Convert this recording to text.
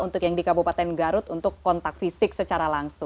untuk yang di kabupaten garut untuk kontak fisik secara langsung